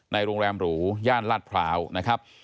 โรงแรมหรูย่านลาดพร้าวนะครับ